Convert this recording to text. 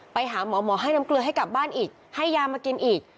ไปหาหมอหมอให้น้ำเกลือให้กลับบ้านอีกให้ยามากินอีก